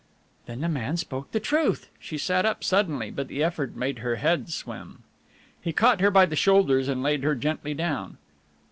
"Then the man spoke the truth!" She sat up suddenly, but the effort made her head swim. He caught her by the shoulders and laid her gently down.